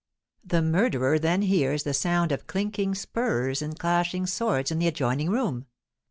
The murderer then hears the sound of clinking spurs and clashing swords in the adjoining room.